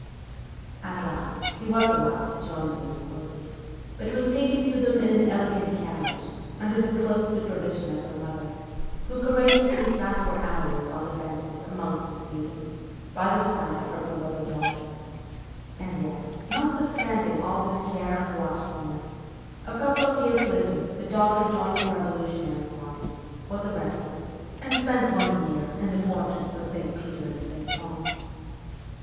At last she was allowed to join these courses, but was taken to them in an elegant carriage, under the close supervision of her mother, who courageously sat for hours on the benches amongst the students, by the side of her beloved daughter ; and yet, notwithstanding all this care and watchfulness, a couple of years later the daughter joined the revolutionary party, was arrested, and spent one year in the fortress of St. Peter and St. Paul.